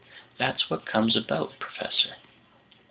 That's what comes about, professor.